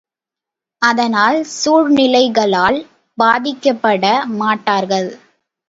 அதனால், சூழ்நிலைகளால் பாதிக்கப்பட மாட்டார்கள்.